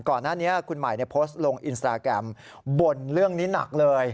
ก่อนหน้านี้คุณใหม่โพสต์ลงอินสตราแกรมบ่นเรื่องนี้หนักเลย